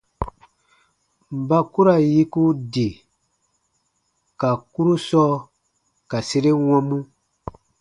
Ba ku ra yiku di ka kurusɔ ka sere wɔmu.